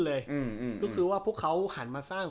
ก็คือว่าพวกเขาหันมาสร้าง